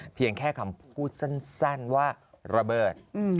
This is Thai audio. เพียงแค่คำพูดสั้นว่าระเบิด